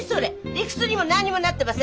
理屈にも何にもなってません。